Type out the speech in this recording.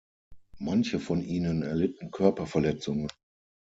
Manche von ihnen erlitten Körperverletzungen.